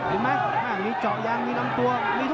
เผ่าฝั่งโขงหมดยก๒